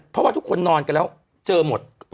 เพราะว่าทุกคนนอนกันแล้วเจอหมด